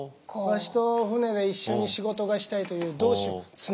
わしと船で一緒に仕事がしたいという同志を募ったがじゃ。